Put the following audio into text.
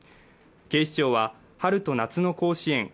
警視庁は春と夏の甲子園